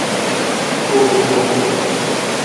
پو ریگو ۔